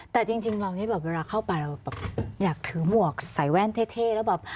แต่จริงเรานี่แบบเวลาเข้าไปเราแบบอยากถือหมวกใส่แว่นเท่แล้วแบบ